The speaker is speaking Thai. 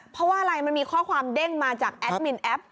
เพราะว่าอะไรมันมีข้อความเด้งมาจากแอดมินแอป